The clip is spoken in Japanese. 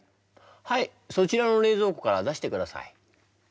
はいそちらの冷蔵庫から出してください。